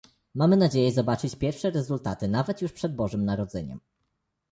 Mamy nadzieję zobaczyć pierwsze rezultaty nawet już przed Bożym Narodzeniem